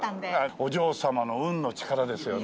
お嬢様の運の力ですよね。